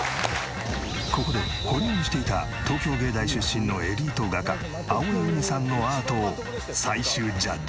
ここで保留にしていた東京藝大出身のエリート画家あおいうにさんのアートを最終ジャッジ。